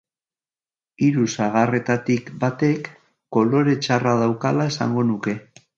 Hiru sagarretatik batek kolore txarra daukala esango nuke.